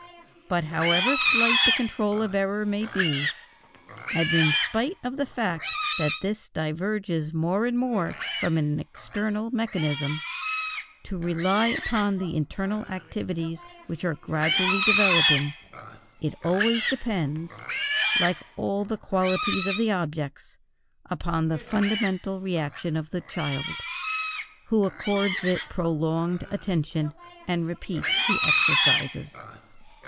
But, however slight the control of error may be, and in spite of the fact that this diverges more and more from an external mechanism, to rely upon the internal activities which are gradually developing, it always depends, like all the qualities of the objects, upon the fundamental reaction of the child, who accords it prolonged attention, and repeats the exercises.